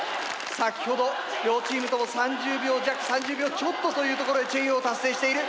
先ほど両チームとも３０秒弱３０秒ちょっとというところでチェイヨーを達成している。